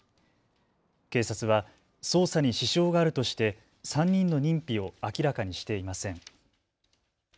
警察は捜査に支障があるとして３人の認否を明らかにしていません。